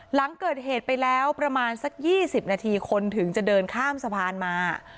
หลังเกิดเหตุไปแล้วประมาณสัก๒๐นาทีคนถึงจะเดินข้ามสะพานมา